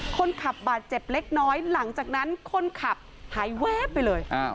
คนขับบาดเจ็บเล็กน้อยหลังจากนั้นคนขับหายแวบไปเลย